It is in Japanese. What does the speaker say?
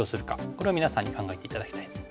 これを皆さんに考えて頂きたいです。